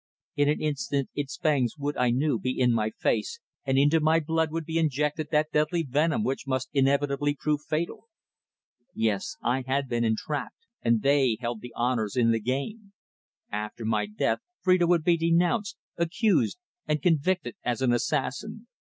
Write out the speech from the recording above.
In an instant its fangs would, I knew, be in my face, and into my blood would be injected that deadly venom which must inevitably prove fatal. Yes, I had been entrapped, and they held the honours in the game. After my death Phrida would be denounced, accused, and convicted as an assassin.